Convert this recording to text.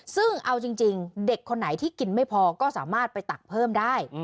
ซึ่งเอาจริงเด็กคนไหนที่กินไม่พอก็สามารถไปตักเพิ่มได้